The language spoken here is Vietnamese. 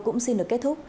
cũng xin được kết thúc